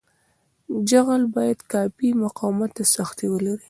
جغل باید کافي مقاومت او سختي ولري